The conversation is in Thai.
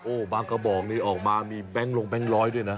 บางกระบอกนี้ออกมามีแบงค์ลงแบงค์ร้อยด้วยนะ